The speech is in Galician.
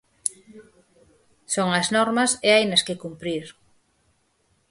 Son as normas e hainas que cumprir.